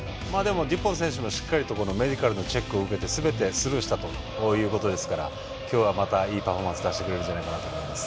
デュポン選手もしっかりとメディカルのチェックを受けてすべてスルーしたということですから今日はまたいいパフォーマンスを出してくれると思います。